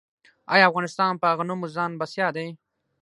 آیا افغانستان په غنمو ځان بسیا دی؟